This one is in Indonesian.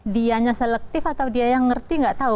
dia yang selektif atau dia yang ngerti tidak tahu